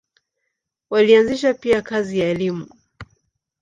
Walianzisha pia kazi ya elimu.